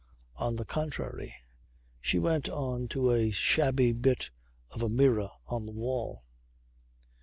On the contrary she went on to a shabby bit of a mirror on the wall.